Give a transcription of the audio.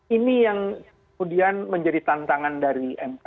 ini yang kemudian menjadi tantangan dari mk